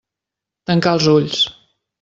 Tancà els ulls.